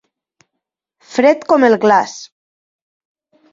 Fred com el glaç.